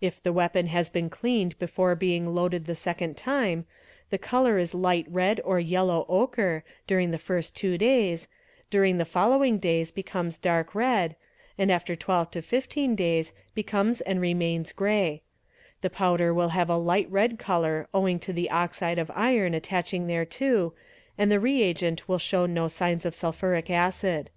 If the weapon has been cleaned before being loaded the second time, the colour is light red or yellow ochre — during the first two days, during the following days becomes dark red, and after 12 to 15 days becomes and remains grey ; the powder will have — a light red colour owing to the oxide of iron attaching thereto and the reagent will show no signs of sulphuric acid.